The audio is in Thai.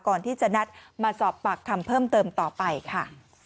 ก่อนที่จะนัดมาสอบปากคำเพิ่มเติมต่อไปค่ะ